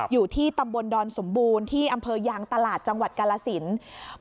อยู่ที่ตำบลดอนสมบูรณ์ที่อำเภอยางตลาดจังหวัดกาลสิน